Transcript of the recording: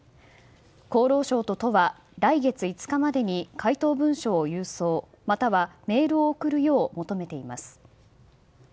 厚労省と都は来月５日までに回答文書を郵送、またはメールを送るよう求めています。